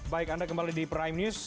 baik anda kembali di prime news